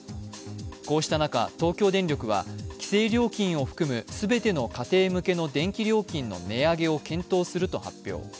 こうした中、東京電力は規制料金を含む全ての家庭向けの電気料金の値上げを検討すると発表。